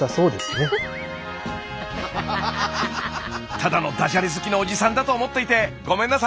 ただのダジャレ好きのおじさんだと思っていてごめんなさい！